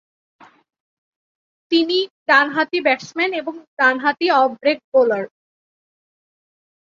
তিনি ডানহাতি ব্যাটসম্যান এবং ডানহাতি অফ-ব্রেক বোলার।